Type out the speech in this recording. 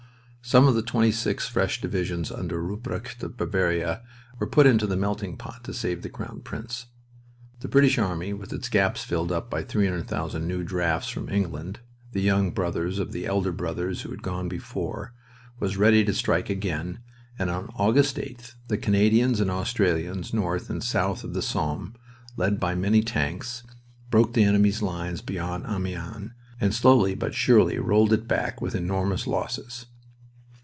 Some of the twenty six fresh divisions under Rupprecht of Bavaria were put into the melting pot to save the Crown Prince. The British army, with its gaps filled up by 300,000 new drafts from England, the young brothers of the elder brothers who had gone before, was ready to strike again, and on August 8th the Canadians and Australians north and south of the Somme, led by many tanks, broke the enemy's line beyond Amiens and slowly but surely rolled it back with enormous losses.